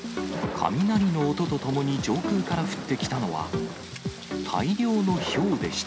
雷の音とともに上空から降ってきたのは、大量のひょうでした。